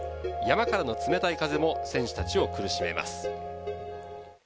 山からの冷たい風も選手たちを苦しめます。